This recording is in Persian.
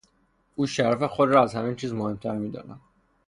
او شرف خود را از همه چیز مهمتر میداند.